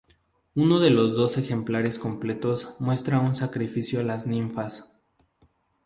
Uno de los dos ejemplares completos muestra un sacrificio a las ninfas.